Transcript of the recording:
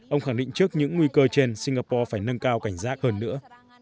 ông khẳng định trước những nguy cơ trên singapore phải nâng cao cảnh giác hơn nữa